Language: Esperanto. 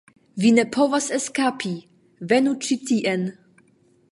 Vi ne povas eskapi, venu ĉi tien!